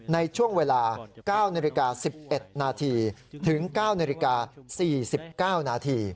ในช่วงเวลา๙น๑๑นถึง๙น๔๙น